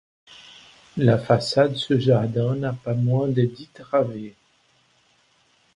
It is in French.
La façade sur jardin n'a pas moins de dix travées.